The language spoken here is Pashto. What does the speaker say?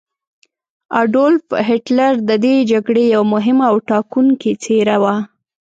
اډولف هیټلر د دې جګړې یوه مهمه او ټاکونکې څیره وه.